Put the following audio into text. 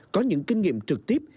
có những kinh nghiệm trực tiếp